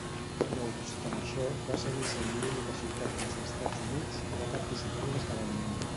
No obstant això, va seguir sent l'única ciutat dels Estats Units que va participar en l'esdeveniment.